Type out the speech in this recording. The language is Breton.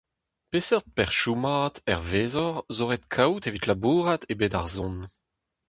Peseurt perzhioù-mat, hervezoc'h, zo ret kaout evit labourat e bed ar son ?